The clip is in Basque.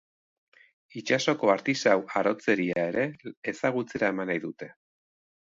Itsasoko artisau arotzeria ere ezagutzera eman nahi dute.